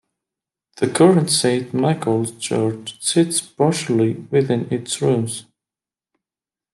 The current Saint Michael's church sits partially within its ruins.